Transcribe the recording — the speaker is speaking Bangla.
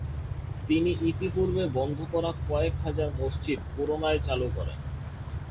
তিনি ইতিপূর্বে বন্ধ করা কয়েক হাজার মসজিদ পুনরায় চালু করেন।